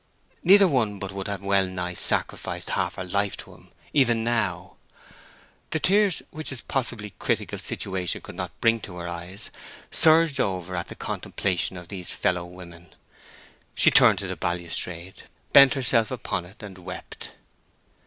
Neither one but would have wellnigh sacrificed half her life to him, even now. The tears which his possibly critical situation could not bring to her eyes surged over at the contemplation of these fellow women. She turned to the balustrade, bent herself upon it, and wept.